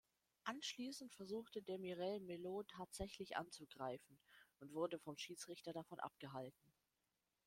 Anschließend versuchte Demirel Melo tätlich anzugreifen und wurde vom Schiedsrichter davon abgehalten.